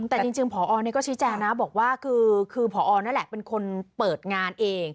แต่จริงผอเนก็ชิ้นเเจียนะบอกว่าคือผอเนนอะแหละเป็นคนเปิดงานเอง